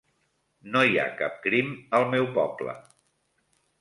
No hi ha cap crim al meu poble.